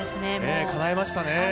かなえましたね。